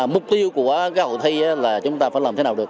mục tiêu của các hội thi là chúng ta phải làm thế nào được